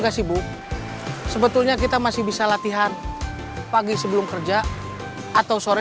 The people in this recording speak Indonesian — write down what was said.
sebetulnya kita masih bisa latihan pagi sebelum kerja atau sore